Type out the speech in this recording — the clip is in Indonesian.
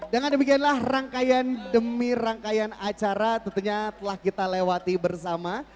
dengan demikianlah rangkaian demi rangkaian acara tentunya telah kita lewati bersama